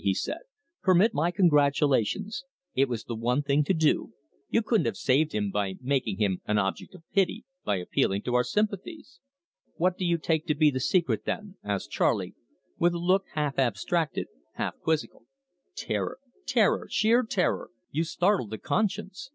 he said. "Permit my congratulations. It was the one thing to do. You couldn't have saved him by making him an object of pity, by appealing to our sympathies." "What do you take to be the secret, then?" asked Charley, with a look half abstracted, half quizzical. "Terror sheer terror. You startled the conscience.